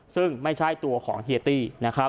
ซึ่งไม่ใช่ตัวของเฮียตี้